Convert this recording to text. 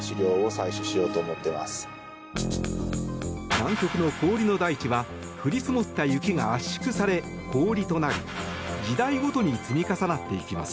南極の氷の大地は降り積もった雪が圧縮され氷となり時代ごとに積み重なっていきます。